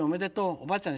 おばあちゃん